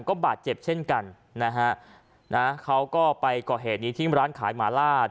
ก็บาดเจ็บเช่นกันนะฮะนะเขาก็ไปก่อเหตุนี้ที่ร้านขายหมาลาด